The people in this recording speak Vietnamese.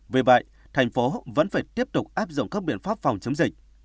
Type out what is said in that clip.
vì vậy tp hcm vẫn phải tiếp tục áp dụng các biện pháp phòng chống dịch